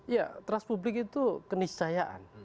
ya trust publik itu keniscayaan